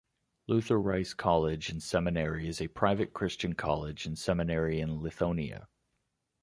Luther Rice College and Seminary is a private Christian college and seminary in Lithonia.